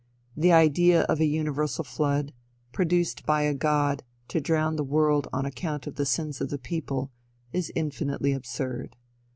The idea of a universal flood, produced by a god to drown the world on account of the sins of the people, is infinitely absurd.